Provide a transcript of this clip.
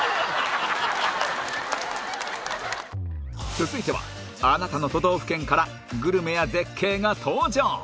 続いてはあなたの都道府県からグルメや絶景が登場